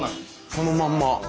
そのまんま。